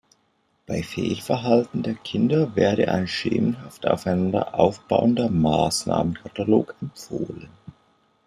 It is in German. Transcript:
Bei Fehlverhalten der Kinder werde ein schemenhaft aufeinander aufbauender Maßnahmenkatalog empfohlen.